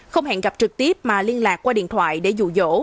không hẹn gặp trực tiếp mà liên lạc qua điện thoại để dụ dỗ